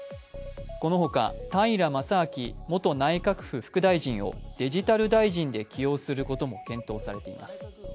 このほか、平将明元内閣府副大臣をデジタル大臣で起用することも検討されています。